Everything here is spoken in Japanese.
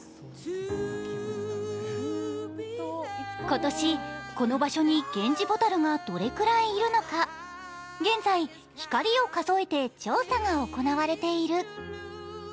今年、この場所にゲンジボタルがどれくらいいるのか、現在、光を数えて調査が行われている。